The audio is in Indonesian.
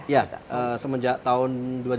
iya semenjak tahun dua ribu sepuluh